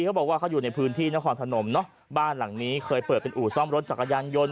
เขาบอกว่าเขาอยู่ในพื้นที่นครพนมเนอะบ้านหลังนี้เคยเปิดเป็นอู่ซ่อมรถจักรยานยนต์